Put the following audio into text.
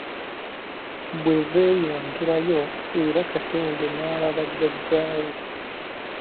Bwe beeyongerayo era Katende n'alaba jjajja we.